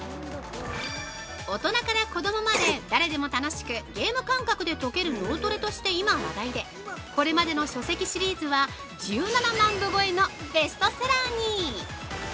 大人から子どもまで誰でも楽しくゲーム感覚で解ける脳トレとして今話題でこれまでの書籍シリーズは１７万部超えのベストセラーに！